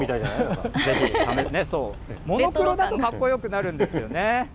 そう、モノクロだとかっこよくなるんですよね。